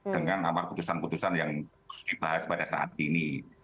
dengan amar keputusan keputusan yang dibahas pada saat ini